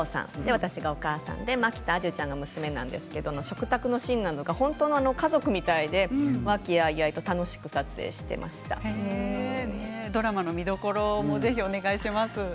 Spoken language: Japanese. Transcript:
私がお母さん蒔田彩珠ちゃんが娘で食卓のシーンなんか本当の家族みたいに和気あいあいでドラマの見どころをお願いします。